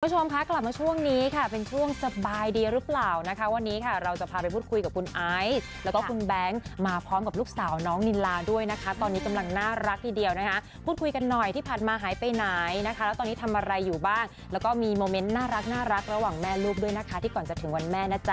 คุณผู้ชมคะกลับมาช่วงนี้ค่ะเป็นช่วงสบายดีหรือเปล่านะคะวันนี้ค่ะเราจะพาไปพูดคุยกับคุณไอซ์แล้วก็คุณแบงค์มาพร้อมกับลูกสาวน้องนินลาด้วยนะคะตอนนี้กำลังน่ารักทีเดียวนะคะพูดคุยกันหน่อยที่ผ่านมาหายไปไหนนะคะแล้วตอนนี้ทำอะไรอยู่บ้างแล้วก็มีโมเมนต์น่ารักระหว่างแม่ลูกด้วยนะคะที่ก่อนจะถึงวันแม่นะจ๊